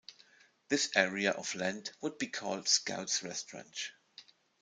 This area of land would be called "Scout's Rest Ranch".